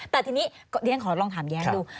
แต่ทีนี้เรียนขอลองถามแย้งดู